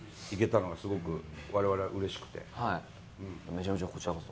めちゃめちゃこちらこそ。